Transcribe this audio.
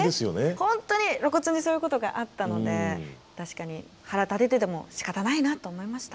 本当に露骨にそういうことがあったので確かに腹立てててもしかたないなと思いました。